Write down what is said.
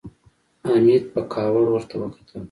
حميد په کاوړ ورته وکتل.